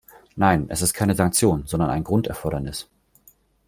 Nein, es ist keine Sanktion, sondern ein Grunderfordernis.